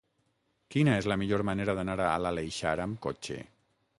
Quina és la millor manera d'anar a l'Aleixar amb cotxe?